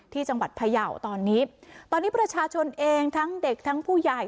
ที่จังหวัดพยาวตอนนี้ตอนนี้ประชาชนเองทั้งเด็กทั้งผู้ใหญ่